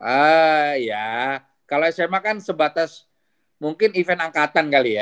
ah ya kalau sma kan sebatas mungkin event angkatan kali ya